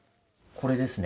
これですね。